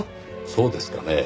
そうですかねぇ？